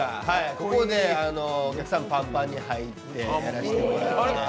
ここでお客さん、パンパンに入ってやらせてもらって。